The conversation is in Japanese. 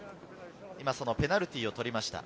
今、そのペナルティーを取りました。